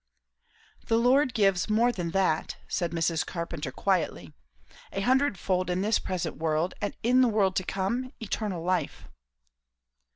"The Lord gives more than that," said Mrs. Carpenter quietly. "A hundredfold in this present world; and in the world to come, eternal life."